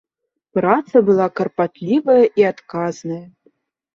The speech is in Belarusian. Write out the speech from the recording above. Праца была карпатлівая і адказная.